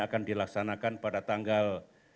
akan dilaksanakan pada tanggal